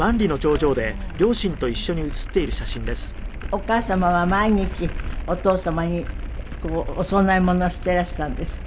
お母様は毎日お父様にお供え物してらしたんですって？